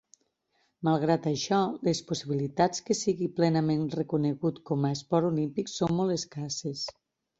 Malgrat això, les possibilitats que sigui plenament reconegut com a esport olímpic són molt escasses.